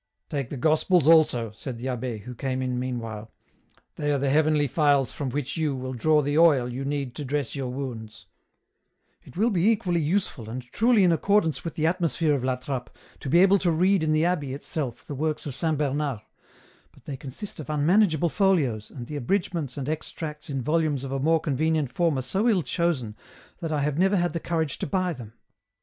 '* Take the Gospels also," said the abbe, who came in meanwhile ;" they are the heavenly phials from which you will draw the oil you need to dress your wounds." " It will be equally useful, and truly in accordance with the atmosphere of La Trappe, to be able to read in the abbey itself the works of Saint Bernard, but they consist of unmanageable folios, and the abridgments and extracts in 142 EN ROUTE. volumes of a more convenient form are so ill chosen, that I have never had the courage to buy them."